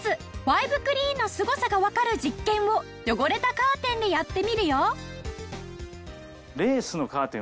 ファイブクリーンのすごさがわかる実験を汚れたカーテンでやってみるよ。